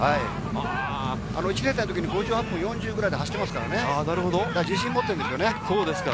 １年生の時に５８分４０ぐらいで走ってますから、自信を持ってるんですね。